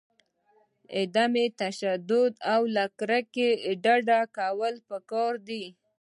عدم تشدد او له کرکې ډډه کول پکار دي.